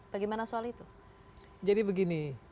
bagaimana soal itu jadi begini